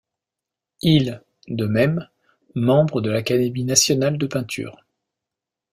Il de même, membre de l'Académie Nationale de Peinture.